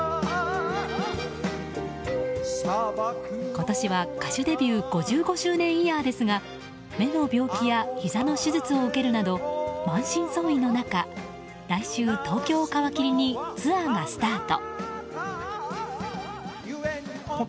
今年は歌手デビュー５５周年イヤーですが目の病気やひざの手術を受けるなど満身創痍の中来週、東京を皮切りにツアーがスタート。